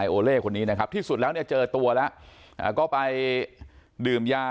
เชน่าที่ก็ไปพบแล้วก็นำส่งโรงพยาบาลอายัดตัวไปเรียบร้อยนะครับ